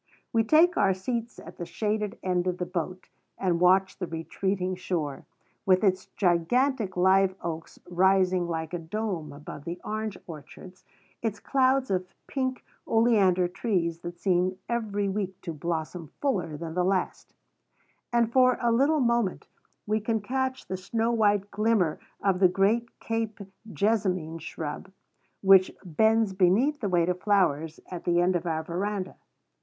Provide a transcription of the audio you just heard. We take our seats at the shaded end of the boat, and watch the retreating shore, with its gigantic live oaks rising like a dome above the orange orchards, its clouds of pink oleander trees that seem every week to blossom fuller than the last; and for a little moment we can catch the snow white glimmer of the great Cape jessamine shrub that bends beneath the weight of flowers at the end of our veranda.